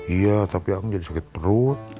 iya tapi akang jadi sakit perut